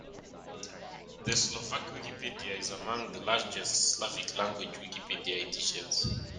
The Slovak Wikipedia is among the largest Slavic-language Wikipedia editions.